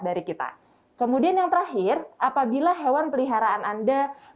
dari kita kemudian yang terakhir apabila hewan peliharaan anda menunjukkan gejala keselamatan